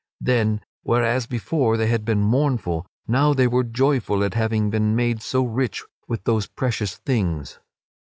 Then, whereas before they had been mournful, now they were joyful at having been made so rich with those precious things.